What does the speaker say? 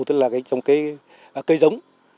tức là trồng cây giống